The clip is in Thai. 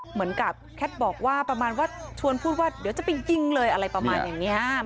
เหมือนกับแคทบอกว่าชวนพูดว่าเดี๋ยวจะไปยิงเลยอะไรประมาณแบบนี้